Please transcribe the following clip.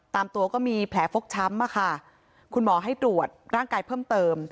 ตามตัวก็มีแผลฟกช้ำอะค่ะคุณหมอให้ตรวจร่างกายเพิ่มเติม